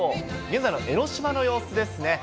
現在の江の島の様子ですね。